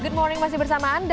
good morning masih bersama anda